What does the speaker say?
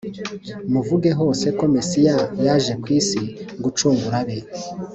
Muvuge hose ko mesiya yaje kw’isi gucungura abe